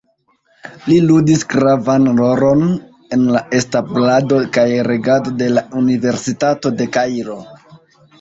Li ludis gravan rolon en la establado kaj regado de la Universitato de Kairo.